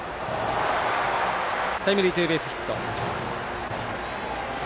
タイムリーツーベースヒット。